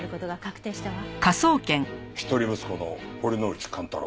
一人息子の堀之内寛太郎。